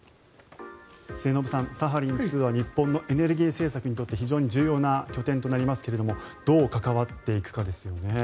末延さん、サハリン２は日本のエネルギー政策にとって非常に重要な拠点となりますがどう関わっていくかですよね。